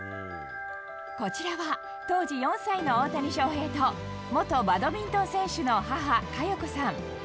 こちらは、当時４歳の大谷翔平と元バドミントン選手の母、加代子さん。